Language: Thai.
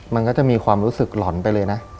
มันก็จะมีความรู้สึกหล่อนไปเลยนะ